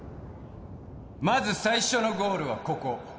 まず最初のゴールはここ